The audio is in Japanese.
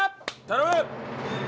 頼む！